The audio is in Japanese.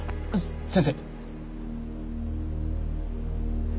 先生